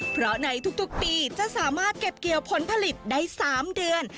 เพราะในทุกปีจะสามารถเก็บเกี่ยวผลผลิตได้๓เดือน